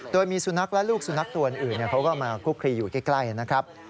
โดยมีสุนัขและลูกสุนัขตัวอื่นเขาก็มาคุกคลีอยู่ใกล้นะครับ